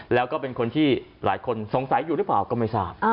แล้วก็เป็นคนที่หลายคนสงสัยอยู่หรือเปล่าก็ไม่ทราบ